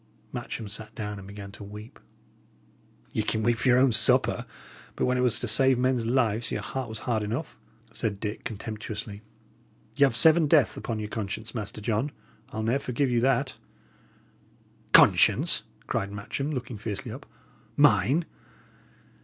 Matcham sat down and began to weep. "Ye can weep for your own supper, but when it was to save men's lives, your heart was hard enough," said Dick, contemptuously. "Y' 'ave seven deaths upon your conscience, Master John; I'll ne'er forgive you that." "Conscience!" cried Matcham, looking fiercely up. "Mine!